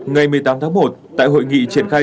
ngày một mươi tám tháng một tại hội nghị triển khai